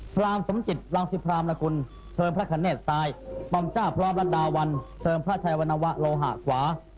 พร้ามสมจิตรังสิบพรามรกุลเชิญพระคเนศใสบำจ้าพร้อมรัจดาวันเชิญพระชายวนวะโลหะขวา